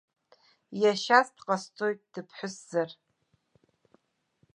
Иашьас дҟасҵоит, дыԥҳәысзар.